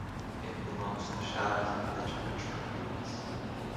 It belongs to the Shaivism literature corpus.